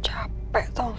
capek tau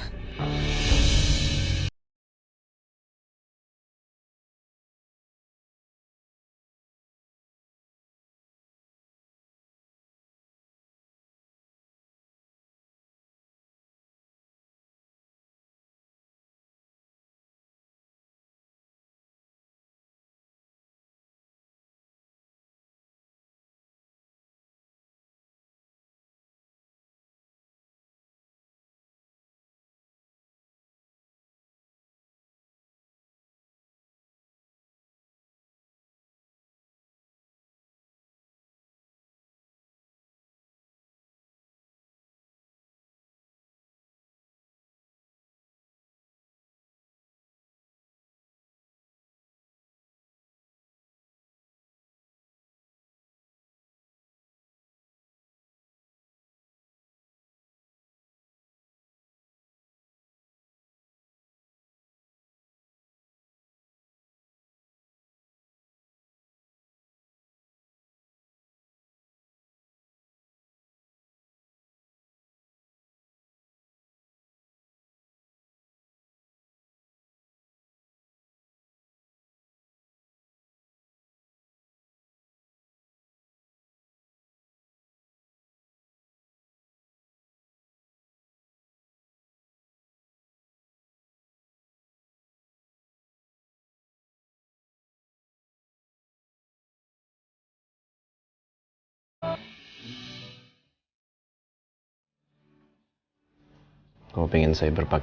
gak